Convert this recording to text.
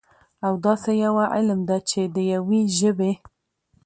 او داسي يوه علم ده، چې د يوي ژبې